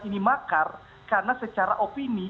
ini makar karena secara opini